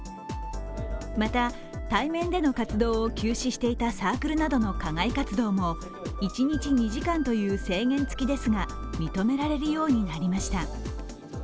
また、対面での活動を休止していたサークルなどの課外活動も一日２時間という制限付きですが認められるようになりました。